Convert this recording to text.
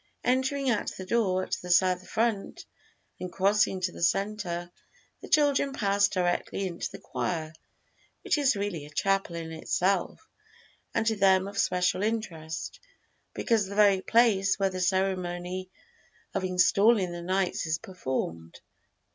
Entering at the door at the south front and crossing to the centre, the children passed directly into the choir, which is really a chapel in itself, and to them of special interest, because the very place where the ceremony of installing' the knights is performed.